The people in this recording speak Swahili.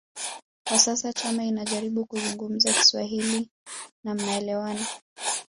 kwa sasa Chama anajaribu kuzungumza Kiswahili na mnaelewana